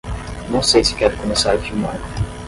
Não sei se quero começar a filmar.